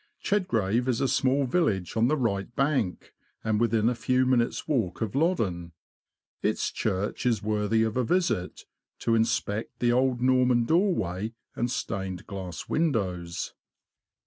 Chedgrave is a small village on the right bank, and within a few minutes' walk of Loddon ; its church is worthy of a visit, to inspect the old Norman doorway and stained glass windows.